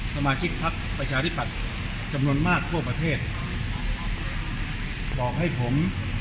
สมาชิกพักฝรรภัยภัยภัตรจำนวนมากทั่วประเทศบอกให้ผม